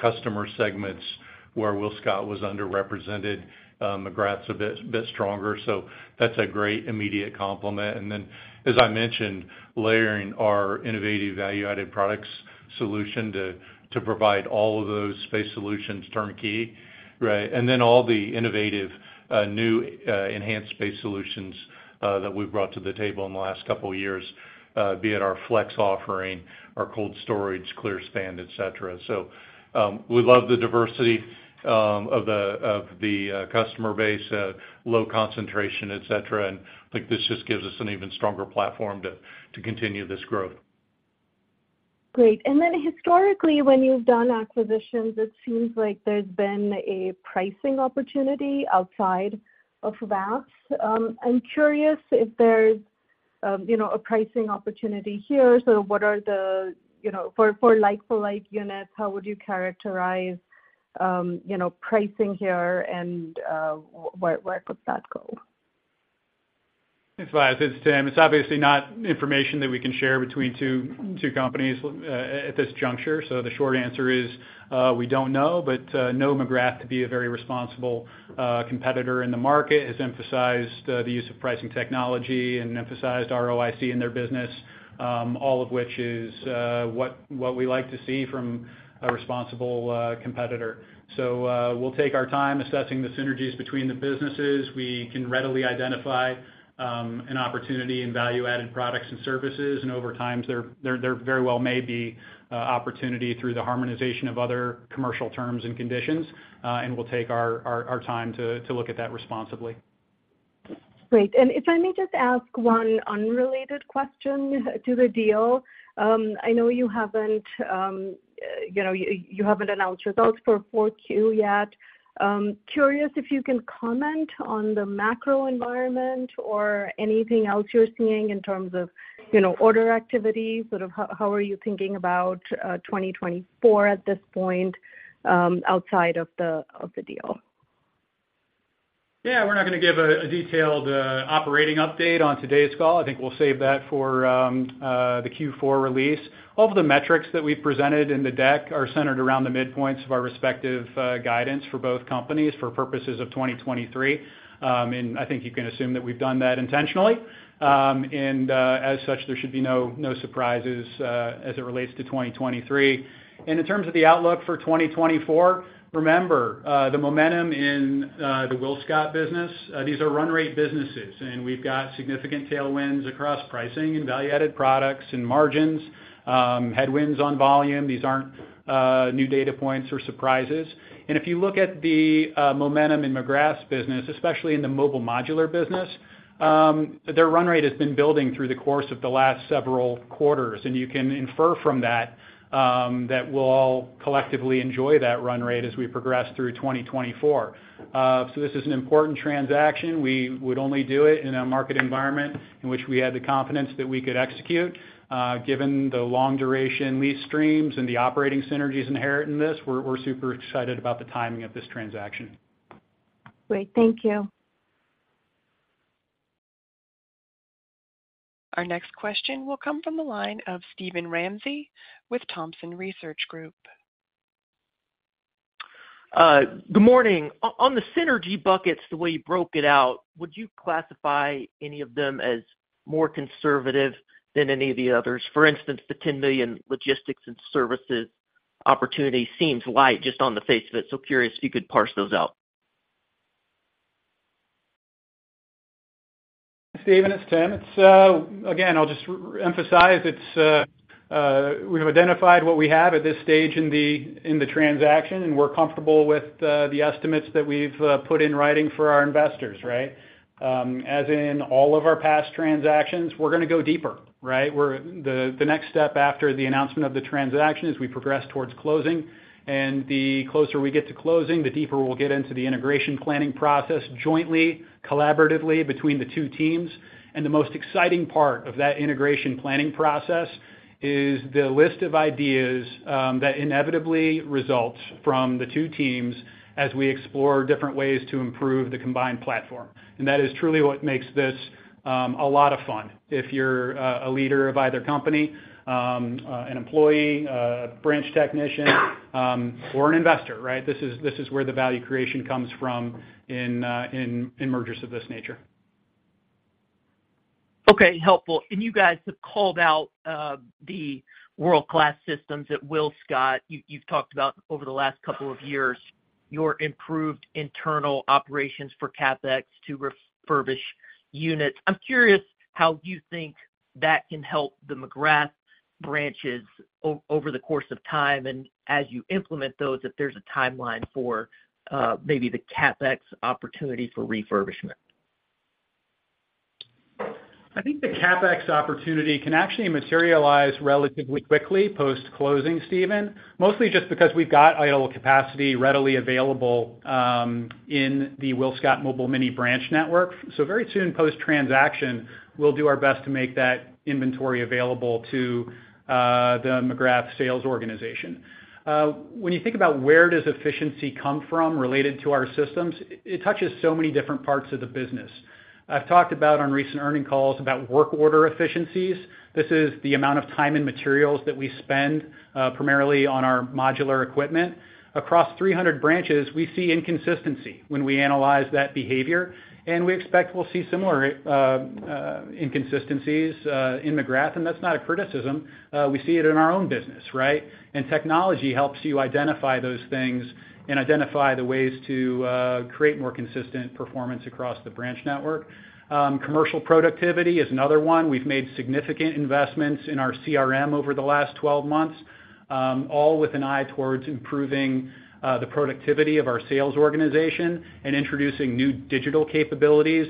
customer segments where WillScot was underrepresented, McGrath's a bit stronger, so that's a great immediate complement. And then, as I mentioned, layering our innovative value-added products solution to provide all of those space solutions turnkey, right? And then all the innovative new enhanced space solutions that we've brought to the table in the last couple of years, be it our FLEX offering, our Cold Storage, Clearspan, et cetera. So, we love the diversity of the customer base, low concentration, et cetera, and I think this just gives us an even stronger platform to continue this growth. Great. And then historically, when you've done acquisitions, it seems like there's been a pricing opportunity outside of that. I'm curious if there's, you know, a pricing opportunity here. So what are the, you know—for, for like-for-like units, how would you characterize, you know, pricing here, and where, where could that go? Thanks, Faiza. It's Tim. It's obviously not information that we can share between two companies at this juncture. So the short answer is, we don't know. But know McGrath to be a very responsible competitor in the market, has emphasized the use of pricing technology and emphasized ROIC in their business, all of which is what we like to see from a responsible competitor. So we'll take our time assessing the synergies between the businesses. We can readily identify an opportunity in value-added products and services, and over time, there very well may be an opportunity through the harmonization of other commercial terms and conditions, and we'll take our time to look at that responsibly. Great. And if I may just ask one unrelated question to the deal. I know you haven't, you know, you haven't announced results for 4Q yet. Curious if you can comment on the macro environment or anything else you're seeing in terms of, you know, order activity, sort of how, how are you thinking about 2024 at this point, outside of the deal? Yeah, we're not gonna give a detailed operating update on today's call. I think we'll save that for the fourth quarter release. All of the metrics that we've presented in the deck are centered around the midpoints of our respective guidance for both companies for purposes of 2023. I think you can assume that we've done that intentionally. As such, there should be no surprises as it relates to 2023. In terms of the outlook for 2024, remember the momentum in the WillScot business. These are run rate businesses, and we've got significant tailwinds across pricing and value-added products and margins, headwinds on volume. These aren't new data points or surprises. And if you look at the momentum in McGrath's business, especially in the Mobile Modular business, their run rate has been building through the course of the last several quarters, and you can infer from that that we'll all collectively enjoy that run rate as we progress through 2024. So this is an important transaction. We would only do it in a market environment in which we had the confidence that we could execute, given the long-duration lease streams and the operating synergies inherent in this, we're super excited about the timing of this transaction. Great. Thank you. Our next question will come from the line of Steven Ramsey with Thompson Research Group. Good morning. On the synergy buckets, the way you broke it out, would you classify any of them as more conservative than any of the others? For instance, the $10 million logistics and services opportunity seems light just on the face of it, so curious if you could parse those out. Steven, it's Tim. Again, I'll just re-emphasize. We've identified what we have at this stage in the transaction, and we're comfortable with the estimates that we've put in writing for our investors, right? As in all of our past transactions, we're gonna go deeper, right? The next step after the announcement of the transaction, as we progress towards closing, and the closer we get to closing, the deeper we'll get into the integration planning process, jointly, collaboratively between the two teams. And the most exciting part of that integration planning process is the list of ideas that inevitably results from the two teams as we explore different ways to improve the combined platform. And that is truly what makes this a lot of fun. If you're a leader of either company, an employee, a branch technician, or an investor, right? This is where the value creation comes from in mergers of this nature. Okay, helpful. You guys have called out the world-class systems at WillScot. You've talked about over the last couple of years your improved internal operations for CapEx to refurbish units. I'm curious how you think that can help the McGrath branches over the course of time, and as you implement those, if there's a timeline for maybe the CapEx opportunity for refurbishment. I think the CapEx opportunity can actually materialize relatively quickly post-closing, Steven. Mostly just because we've got idle capacity readily available in the WillScot Mobile Mini branch network. Very soon post-transaction, we'll do our best to make that inventory available to the McGrath sales organization. When you think about where does efficiency come from related to our systems? It touches so many different parts of the business.... I've talked about on recent earnings calls about work order efficiencies. This is the amount of time and materials that we spend primarily on our modular equipment. Across 300 branches, we see inconsistency when we analyze that behavior, and we expect we'll see similar inconsistencies in McGrath, and that's not a criticism. We see it in our own business, right? Technology helps you identify those things and identify the ways to create more consistent performance across the branch network. Commercial productivity is another one. We've made significant investments in our CRM over the last 12 months, all with an eye towards improving the productivity of our sales organization and introducing new digital capabilities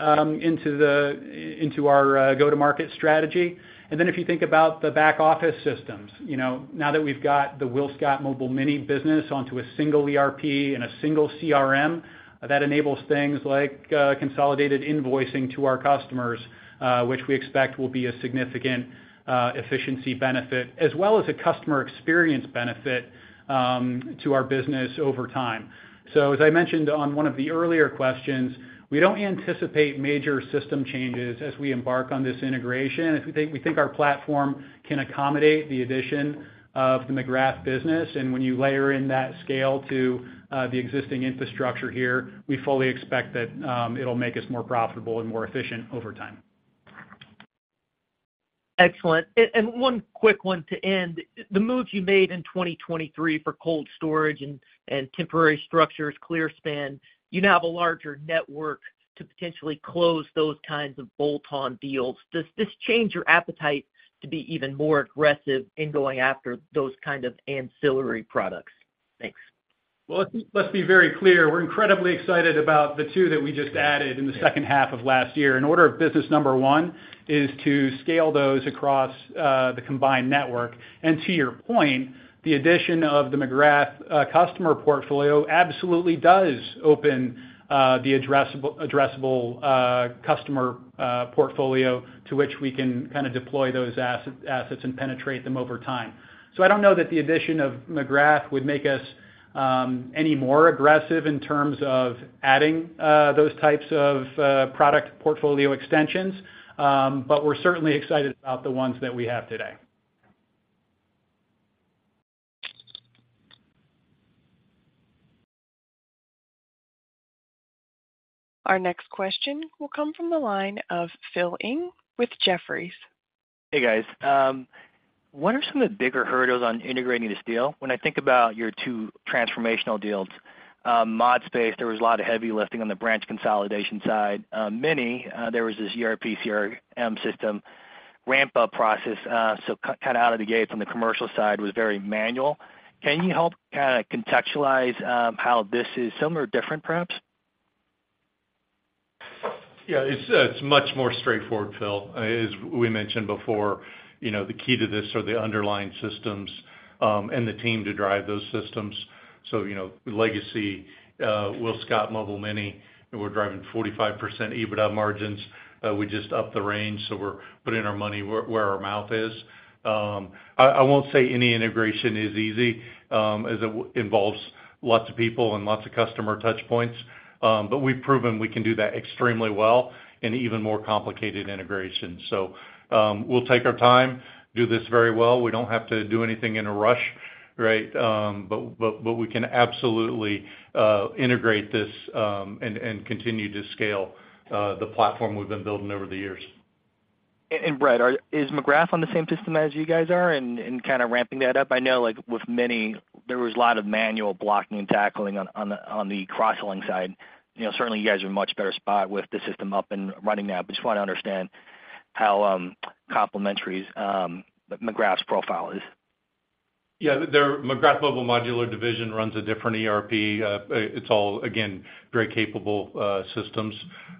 into our go-to-market strategy. Then if you think about the back office systems, you know, now that we've got the WillScot Mobile Mini business onto a single ERP and a single CRM, that enables things like consolidated invoicing to our customers, which we expect will be a significant efficiency benefit as well as a customer experience benefit to our business over time. So as I mentioned on one of the earlier questions, we don't anticipate major system changes as we embark on this integration. We think, we think our platform can accommodate the addition of the McGrath business, and when you layer in that scale to, the existing infrastructure here, we fully expect that, it'll make us more profitable and more efficient over time. Excellent. And one quick one to end. The moves you made in 2023 for Cold Storage and temporary structures, Clearspan, you now have a larger network to potentially close those kinds of bolt-on deals. Does this change your appetite to be even more aggressive in going after those kind of ancillary products? Thanks. Well, let's be very clear. We're incredibly excited about the two that we just added in the second half of last year. In order of business number one, is to scale those across the combined network. And to your point, the addition of the McGrath customer portfolio absolutely does open the addressable customer portfolio, to which we can kind of deploy those assets and penetrate them over time. So I don't know that the addition of McGrath would make us any more aggressive in terms of adding those types of product portfolio extensions, but we're certainly excited about the ones that we have today. Our next question will come from the line of Phil Ng with Jefferies. Hey, guys. What are some of the bigger hurdles on integrating this deal? When I think about your two transformational deals, ModSpace, there was a lot of heavy lifting on the branch consolidation side. Mini, there was this ERP, CRM system ramp-up process, so kind of out of the gate from the commercial side, was very manual. Can you help kind of contextualize, how this is similar or different, perhaps? Yeah, it's, it's much more straightforward, Phil. As we mentioned before, you know, the key to this are the underlying systems, and the team to drive those systems. So, you know, legacy WillScot Mobile Mini, and we're driving 45% EBITDA margins. We just upped the range, so we're putting our money where our mouth is. I won't say any integration is easy, as it involves lots of people and lots of customer touchpoints, but we've proven we can do that extremely well in even more complicated integrations. So, we'll take our time, do this very well. We don't have to do anything in a rush, right? But we can absolutely integrate this, and continue to scale the platform we've been building over the years. Brad, is McGrath on the same system as you guys are in kind of ramping that up? I know, like with Mini, there was a lot of manual blocking and tackling on the cross-selling side. You know, certainly you guys are in a much better spot with the system up and running now. But just want to understand how complementary McGrath's profile is. Yeah, their McGrath Mobile Modular division runs a different ERP. It's all, again, very capable systems.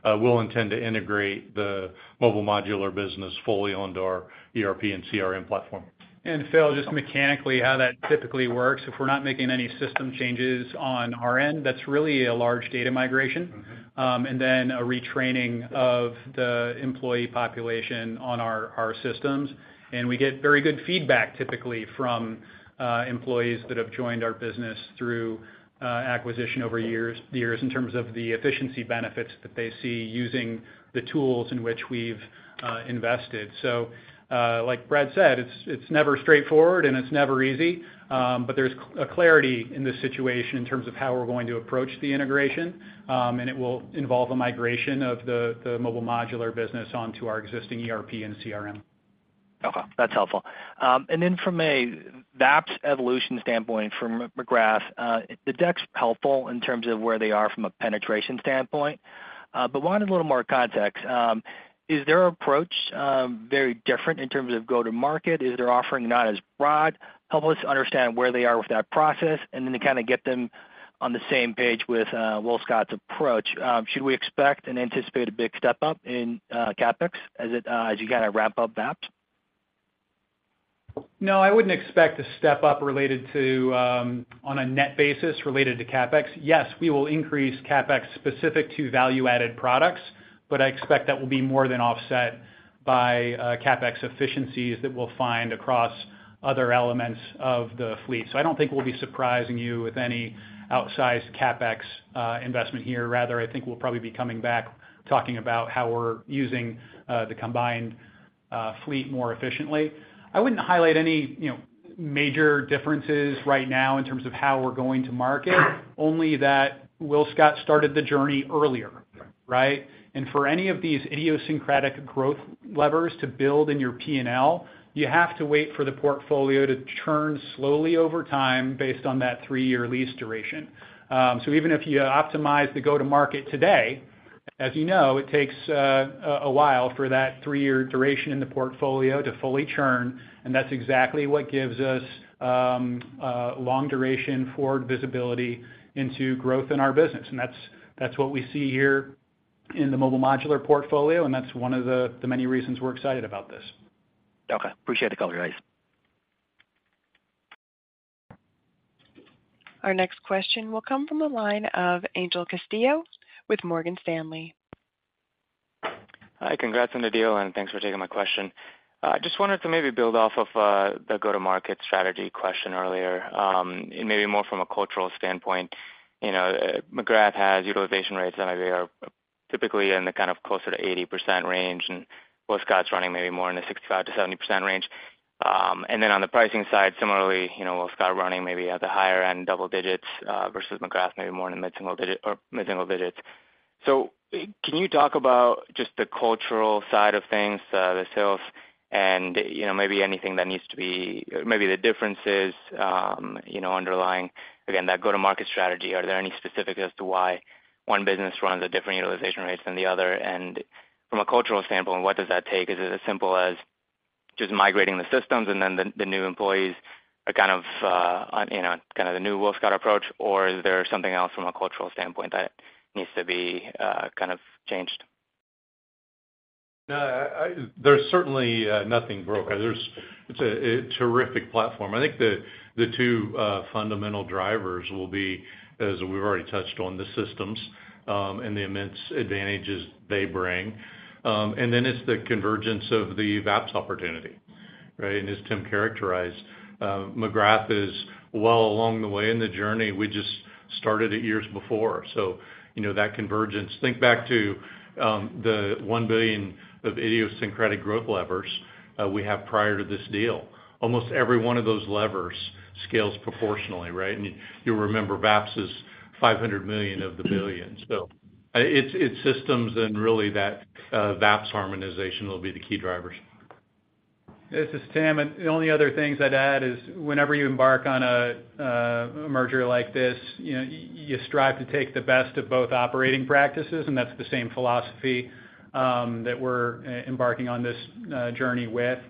We'll intend to integrate the Mobile Modular business fully onto our ERP and CRM platform. Phil, just mechanically, how that typically works, if we're not making any system changes on our end, that's really a large data migration. Mm-hmm. And then a retraining of the employee population on our systems. And we get very good feedback, typically, from employees that have joined our business through acquisition over years, in terms of the efficiency benefits that they see using the tools in which we've invested. So, like Brad said, it's never straightforward, and it's never easy, but there's a clarity in this situation in terms of how we're going to approach the integration. And it will involve a migration of the Mobile Modular business onto our existing ERP and CRM. Okay, that's helpful. And then from a VAPS evolution standpoint from McGrath, the deck's helpful in terms of where they are from a penetration standpoint, but wanted a little more context. Is their approach very different in terms of go-to-market? Is their offering not as broad? Help us understand where they are with that process, and then to kind of get them on the same page with WillScot's approach. Should we expect and anticipate a big step up in CapEx as you kind of ramp up VAPS? No, I wouldn't expect a step up related to, on a net basis, related to CapEx. Yes, we will increase CapEx specific to value-added products, but I expect that will be more than offset by, CapEx efficiencies that we'll find across other elements of the fleet. So I don't think we'll be surprising you with any outsized CapEx, investment here. Rather, I think we'll probably be coming back talking about how we're using, the combined fleet more efficiently. I wouldn't highlight any, you know, major differences right now in terms of how we're going to market, only that WillScot started the journey earlier, right? And for any of these idiosyncratic growth levers to build in your P&L, you have to wait for the portfolio to churn slowly over time based on that three-year lease duration. So even if you optimize the go-to-market today, as you know, it takes a while for that three-year duration in the portfolio to fully churn, and that's exactly what gives us long duration for visibility into growth in our business. And that's what we see here in the Mobile Modular portfolio, and that's one of the many reasons we're excited about this. Okay. Appreciate the color, guys. Our next question will come from the line of Angel Castillo with Morgan Stanley. Hi, congrats on the deal, and thanks for taking my question. I just wanted to maybe build off of the go-to-market strategy question earlier, and maybe more from a cultural standpoint. You know, McGrath has utilization rates, and they are typically in the kind of closer to 80% range, and WillScot's running maybe more in the 65% to 70% range. And then on the pricing side, similarly, you know, WillScot running maybe at the higher end, double digits, versus McGrath, maybe more in the mid-single digits. So can you talk about just the cultural side of things, the sales and, you know, maybe anything that needs to be... Maybe the differences, you know, underlying, again, that go-to-market strategy? Are there any specific as to why one business runs a different utilization rates than the other? From a cultural standpoint, what does that take? Is it as simple as just migrating the systems and then the new employees are kind of, on, you know, kind of the new WillScot approach, or is there something else from a cultural standpoint that needs to be, kind of changed? There's certainly nothing broken. It's a terrific platform. I think the two fundamental drivers will be, as we've already touched on, the systems and the immense advantages they bring. And then it's the convergence of the VAPS opportunity, right? And as Tim characterized, McGrath is well along the way in the journey. We just started it years before. So you know, that convergence. Think back to the $1 billion of idiosyncratic growth levers we have prior to this deal. Almost every one of those levers scales proportionally, right? And you'll remember, VAPS is $500 million of the $1 billion. So it's systems and really that VAPS harmonization will be the key drivers. This is Tim, and the only other things I'd add is, whenever you embark on a merger like this, you know, you strive to take the best of both operating practices, and that's the same philosophy that we're embarking on this journey with.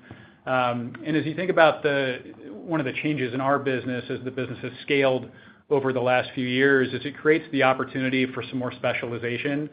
And as you think about the one of the changes in our business as the business has scaled over the last few years, is it creates the opportunity for some more specialization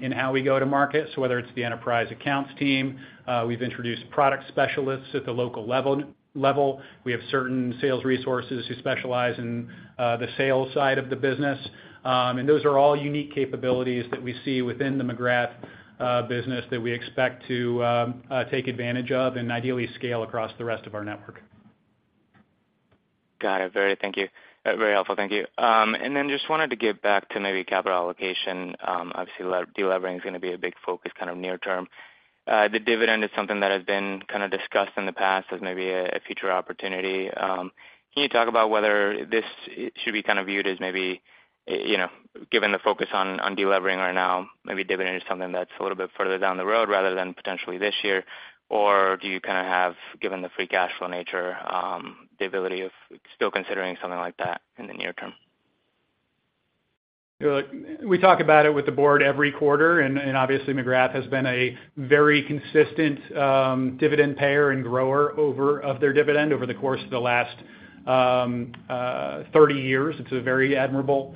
in how we go to market. So whether it's the enterprise accounts team, we've introduced product specialists at the local level. We have certain sales resources who specialize in the sales side of the business. And those are all unique capabilities that we see within the McGrath business that we expect to take advantage of and ideally scale across the rest of our network. Got it. Very thank you. very helpful. Thank you. And then just wanted to get back to maybe capital allocation. Obviously, delevering is gonna be a big focus, kind of near term. The dividend is something that has been kind of discussed in the past as maybe a future opportunity. Can you talk about whether this should be kind of viewed as maybe, you know, given the focus on delevering right now, maybe dividend is something that's a little bit further down the road rather than potentially this year? Or do you kind of have, given the free cash flow nature, the ability of still considering something like that in the near term? Look, we talk about it with the board every quarter, and obviously, McGrath has been a very consistent dividend payer and grower of their dividend over the course of the last 30 years. It's a very admirable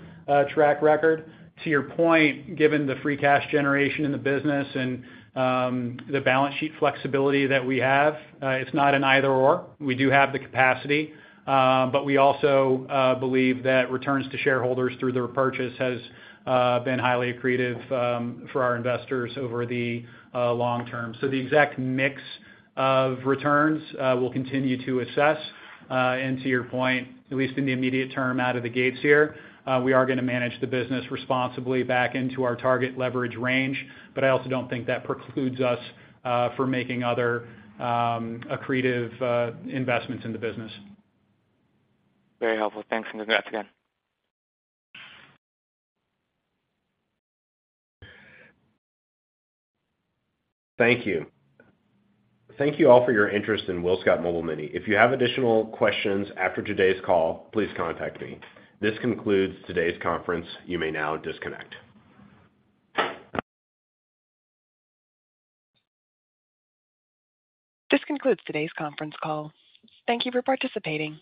track record. To your point, given the free cash generation in the business and the balance sheet flexibility that we have, it's not an either/or. We do have the capacity, but we also believe that returns to shareholders through the repurchase has been highly accretive for our investors over the long term. So the exact mix of returns we'll continue to assess. To your point, at least in the immediate term, out of the gates here, we are gonna manage the business responsibly back into our target leverage range, but I also don't think that precludes us from making other accretive investments in the business. Very helpful. Thanks, and congrats again. Thank you. Thank you all for your interest in WillScot Mobile Mini. If you have additional questions after today's call, please contact me. This concludes today's conference. You may now disconnect. This concludes today's conference call. Thank you for participating.